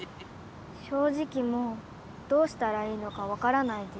正直もうどうしたらいいのかわからないです。